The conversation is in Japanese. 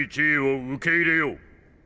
１位を受け入れよう。